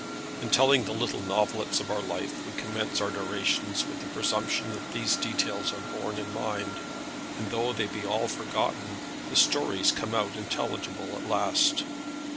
In telling the little novelettes of our life, we commence our narrations with the presumption that these details are borne in mind, and though they be all forgotten, the stories come out intelligible at last.